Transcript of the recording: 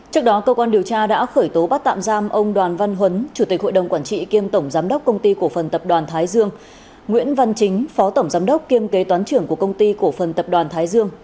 trước đó cơ quan điều tra đã khởi tố bắt tạm giam ông đoàn văn huấn chủ tịch hội đồng quản trị kiêm tổng giám đốc công ty cổ phần tập đoàn thái dương nguyễn văn chính phó tổng giám đốc kiêm kế toán trưởng của công ty cổ phần tập đoàn thái dương